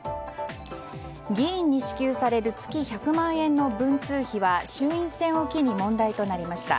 議員に支給される月１００万円の文通費は衆院選を機に問題となりました。